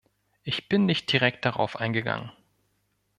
Ich bin nicht direkt darauf eingegangen.